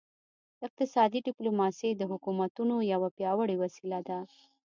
اقتصادي ډیپلوماسي د حکومتونو یوه پیاوړې وسیله ده